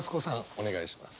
お願いします。